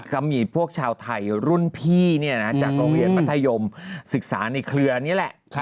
ก็มีพวกชาวไทยรุ่นพี่จากโรงเรียนมัธยมศึกษาในเครือนี่แหละ